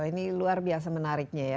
ini luar biasa menariknya ya